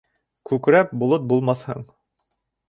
Күкрәп, болот булмаҫһың.